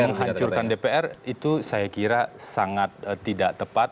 menghancurkan dpr itu saya kira sangat tidak tepat